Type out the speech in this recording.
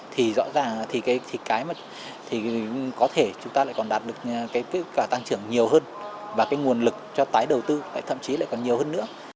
thì rõ ràng chúng ta còn đạt được tăng trưởng nhiều hơn và nguồn lực cho tái đầu tư thậm chí còn nhiều hơn nữa